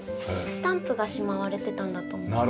スタンプがしまわれてたんだと思いますけど。